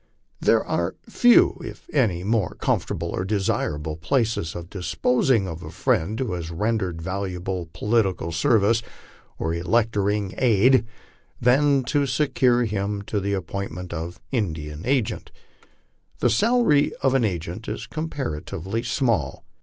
There are few, if any, more comfortable or desirable places of disposing of a friend who has rendered valuable politi cal service or electioneering aid, than to secure for him the appointment of Indian agent. The salary of an agent is comparatively small.